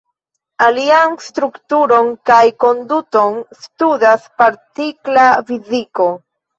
Ilian strukturon kaj konduton studas partikla fiziko.